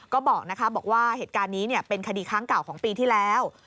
ก็บอกว่าเหตุการณ์นี้เป็นคดีครั้งเก่าของปีที่แล้ว